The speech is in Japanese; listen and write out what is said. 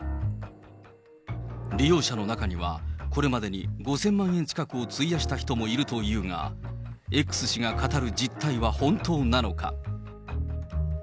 利用者の中には、これまでに５０００万円近くを費やした人もいるというが、Ｘ氏が語る実態は本当なのか。